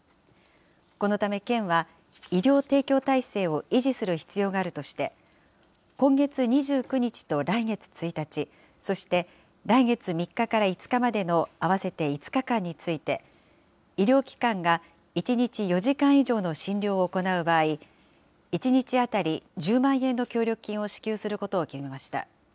このため県は、医療提供体制を維持する必要があるとして、今月２９日と来月１日、そして来月３日から５日までの合わせて５日間について、医療機関が１日４時間以上の診療を行う場合、１日当たり１０万円の協力金を支給することを決めました。